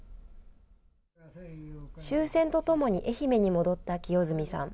終戦とともに愛媛に戻った清積さん。